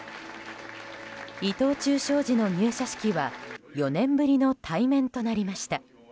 伊藤忠商事の入社式は４年ぶりの対面となりました。